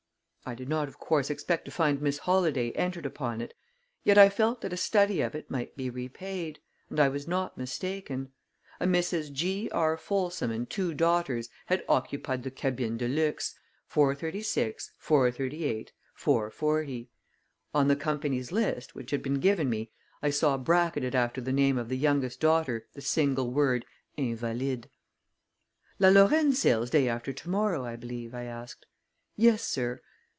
I did not, of course, expect to find Miss Holladay entered upon it, yet I felt that a study of it might be repaid; and I was not mistaken. A Mrs. G. R. Folsom and two daughters had occupied the cabine de luxe, 436, 438, 440; on the company's list, which had been given me, I saw bracketed after the name of the youngest daughter the single word "invalide." "La Lorraine sails day after to morrow, I believe?" I asked. "Yes, sir."